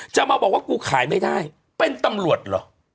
จะมาบอกว่ากูขายไม่ได้เป็นตำรวจเหรอ